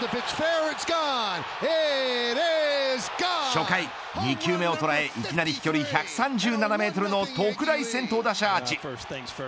初回、２球目を捉えいきなり飛距離１３７メートルの特大先頭打者アーチ。